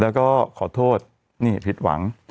แล้วก็ขอโทษนี่ผิดหวัง